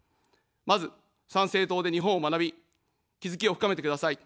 まず、参政党で日本を学び、気づきを深めてください。